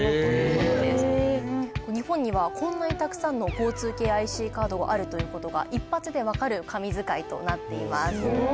日本にはこんなにたくさんの交通系ＩＣカードがあるという事が一発でわかる神図解となっています。